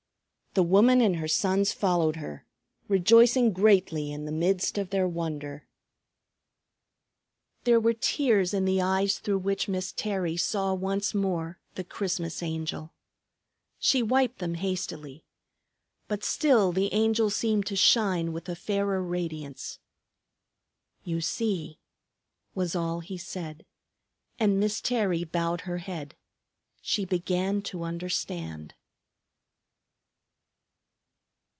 The woman and her sons followed her, rejoicing greatly in the midst of their wonder. There were tears in the eyes through which Miss Terry saw once more the Christmas Angel. She wiped them hastily. But still the Angel seemed to shine with a fairer radiance. "You see!" was all he said. And Miss Terry bowed her head. She began to understand.